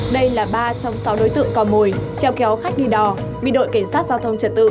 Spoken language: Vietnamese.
đây là ba trong sáu đối tượng cò mồi treo kéo khách đi đò bị đội cảnh sát giao thông trật tự